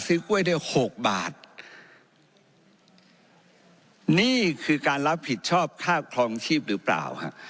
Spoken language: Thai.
กล้วยได้หกบาทนี่คือการรับผิดชอบค่าครองชีพหรือเปล่าฮะ